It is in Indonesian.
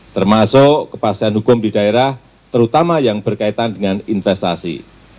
termasuk kepastian hukum di daerah terutama yang berkaitan dengan investasi